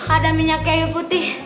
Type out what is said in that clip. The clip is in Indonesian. ada minyak kayu putih